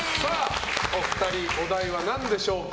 お二人、お題は何でしょうか。